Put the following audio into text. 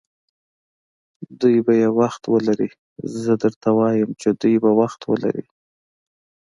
دوی به یې وخت ولري، زه درته وایم چې دوی به وخت ولري.